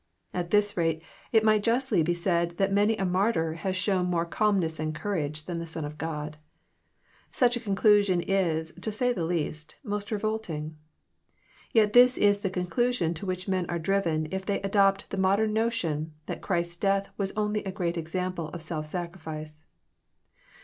At this rate it might justly be said that many a martyr has shown more calmness and courage than the Son of God. Such a con clusion is, to say the least, most revolting. Yet this is the conclusion to which men are driven if they adopt the mod em notion, that Christ's death was only a great example of self sacrifice.